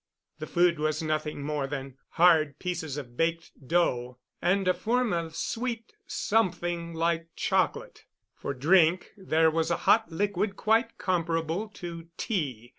The food was nothing more than hard pieces of baked dough and a form of sweet something like chocolate. For drink there was a hot liquid quite comparable to tea.